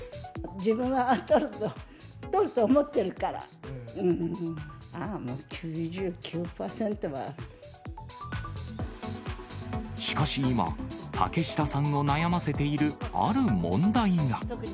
自分は取ると思っているから、しかし今、竹下さんを悩ませているある問題が。